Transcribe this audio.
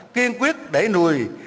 kiên quyết đẩy nùi